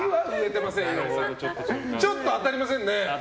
ちょっと当たりませんね。